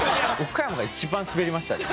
岡山が一番スベりましたね。